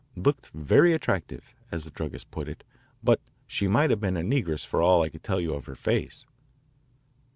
"Looked very attractive," as the druggist put it, "but she might have been a negress for all I could tell you of her face."